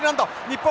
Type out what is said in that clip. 日本